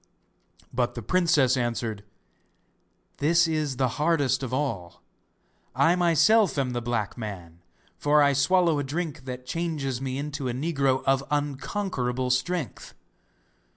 But the princess answered: 'This is the hardest of all. I myself am the black man, for I swallow a drink that changes me into a negro of unconquerable strength.